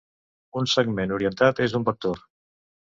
Un segment orientat és un vector.